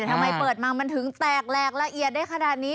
ทำไมเปิดมามันถึงแตกแหลกละเอียดได้ขนาดนี้